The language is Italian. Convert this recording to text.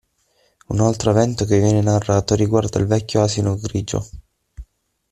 Un altro evento che viene narrato riguarda il vecchio asino grigio.